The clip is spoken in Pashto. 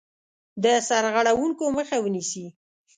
د سرغړونکو مخه ونیسي.